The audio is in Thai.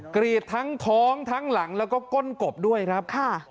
กรีดทั้งท้องทั้งหลังแล้วก็ก้นกบด้วยครับ